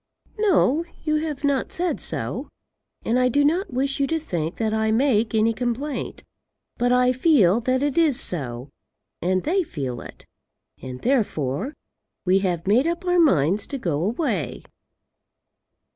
"No; you have not said so. And I do not wish you to think that I make any complaint. But I feel that it is so, and they feel it. And, therefore, we have made up our minds to go away."